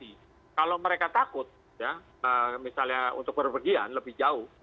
jika nggak ada yang takut ya misalnya untuk berpergian lebih jauh